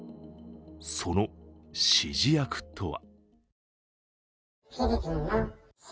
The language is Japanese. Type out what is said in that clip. その指示役とは。